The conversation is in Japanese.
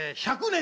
１００年？